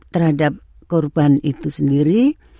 terhadap korban itu sendiri